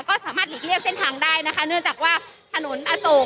ก็สามารถหลีกเลี่ยงเส้นทางได้นะคะเนื่องจากว่าถนนอโศก